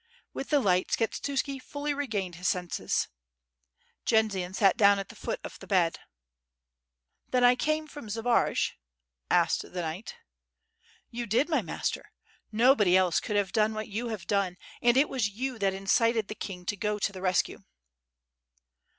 With the light Skshetuski fully regained his senses. ... Jendzian sat down at the foot of the bed. "Then I came from Zbaraj?" asked the knight. "You did, my master. Nobody else could have done what you have done, and it was you that incited the king to go to the rescue."